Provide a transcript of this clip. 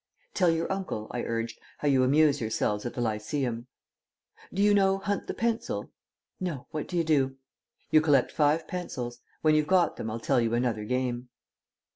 "Tell your uncle," I urged, "how you amuse yourselves at the Lyceum." "Do you know 'Hunt the Pencil'?" "No. What do you do?" "You collect five pencils; when you've got them, I'll tell you another game."